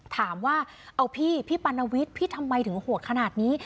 ถามว่าเอาพี่พี่ปานวิทย์พี่ทำไมถึงโหดขนาดนี้